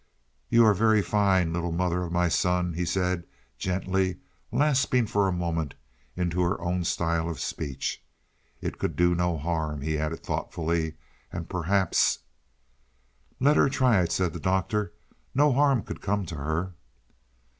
"You are very fine, little mother of my son," he said gently, lapsing for a moment into her own style of speech. "It could do no harm," he added thoughtfully "and perhaps " "Let her try it," said the Doctor. "No harm could come to her."